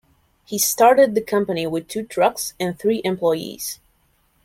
He started the company with two trucks and three employees.